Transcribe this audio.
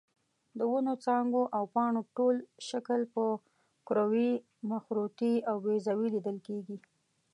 د ونو څانګو او پاڼو ټول شکل په کروي، مخروطي او بیضوي لیدل کېږي.